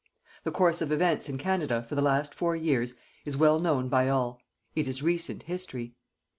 The course of events in Canada, for the last four years, is well known by all. It is recent history.